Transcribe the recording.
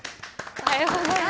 おはようございます。